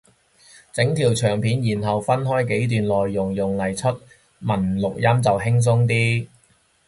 整條長片然後分開幾段內容用嚟出文錄音就輕鬆啲